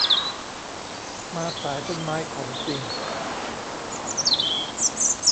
มาสายต้นไม้ของจริง